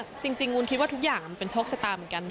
จริงวุ้นคิดว่าทุกอย่างมันเป็นโชคชะตาเหมือนกัน